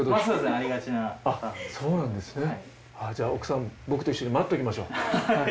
じゃあ奥さん僕と一緒に待っときましょう。